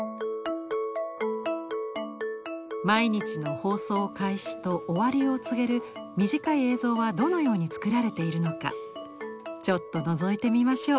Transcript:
毎日の放送開始と終わりを告げる短い映像はどのように作られているのかちょっとのぞいてみましょう。